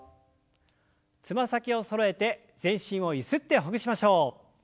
つま先をそろえて全身をゆすってほぐしましょう。